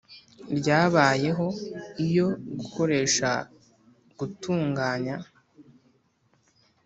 Ryabayeho iyo gukoresha gutunganya